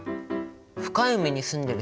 深い海に住んでる